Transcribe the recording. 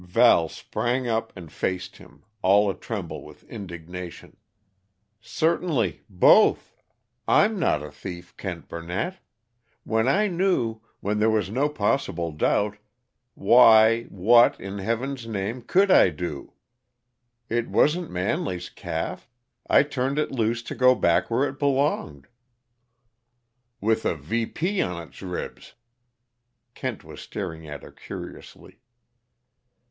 Val sprang up and faced him, all a tremble with indignation. "Certainly, both! I'm not a thief, Kent Burnett! When I knew when there was no possible doubt why, what, in Heaven's name, could I do? It wasn't Manley's calf. I turned it loose to go back where it belonged." "With a VP on its ribs!" Kent was staring at her curiously.